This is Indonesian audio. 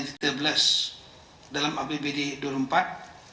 untuk tunjangan nilai dan gaji ke tiga belas dalam apbd dua ribu empat